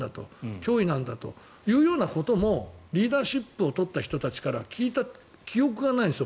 脅威なんだということもリーダーシップを取った人たちから聞いた記憶がないんですよ。